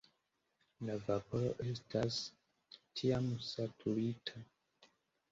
La vaporo estas tiam "saturita".